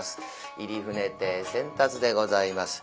入船亭扇辰でございます。